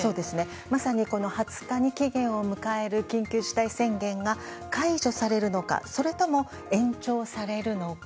まさに２０日に期限を迎える緊急事態宣言が解除されるのかそれとも延長されるのか。